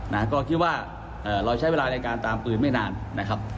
นะก็คิดว่าเอ่อเราใช้เวลาในการตามปืนไม่นานนะครับ